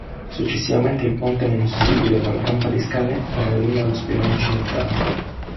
Successivamente il ponte venne sostituito da una rampa di scale parallela allo sperone occidentale.